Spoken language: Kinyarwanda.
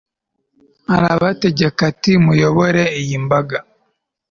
arabategeka ati muyobore iyi mbaga